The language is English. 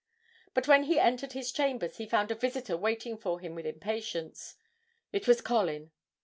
But when he entered his chambers he found a visitor waiting for him with impatience it was Colin.